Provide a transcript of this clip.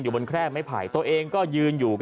บนแคร่ไม้ไผ่ตัวเองก็ยืนอยู่